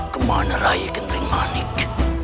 kemana raya kentering manik